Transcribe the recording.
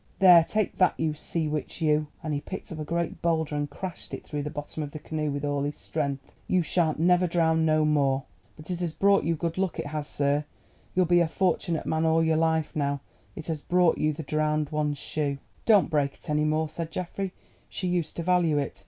There, take that, you Sea Witch, you!" and he picked up a great boulder and crashed it through the bottom of the canoe with all his strength. "You shan't never drown no more. But it has brought you good luck, it has, sir; you'll be a fortunit man all your life now. It has brought you the Drowned One's shoe." "Don't break it any more," said Geoffrey. "She used to value it.